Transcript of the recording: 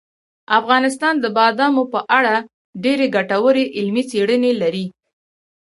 افغانستان د بادامو په اړه ډېرې ګټورې علمي څېړنې لري.